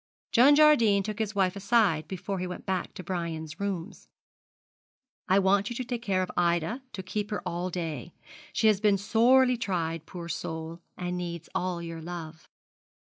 John Jardine took his wife aside before he went back to Brian's rooms. 'I want you to take care of Ida, to keep with her all day. She has been sorely tried, poor soul, and needs all your love.'